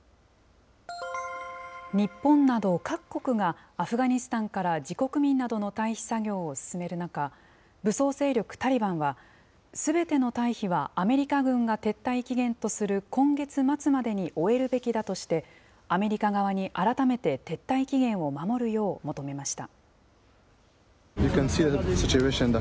日本など、各国がアフガニスタンから自国民などの退避作業を進める中、武装勢力タリバンは、すべての退避は、アメリカ軍が撤退期限とする今月末までに終えるべきだとして、アメリカ側に改めて撤退期限を守るよう求めました。